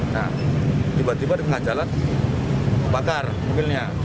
nah tiba tiba di tengah jalan bakar mobilnya